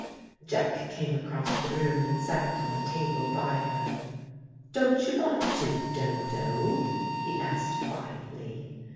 Jack came across the room and sat on the table by her. "Don't you want to, Dodo?" he asked quietly.